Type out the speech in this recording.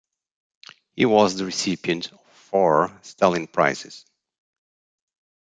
He was the recipient of four Stalin Prizes.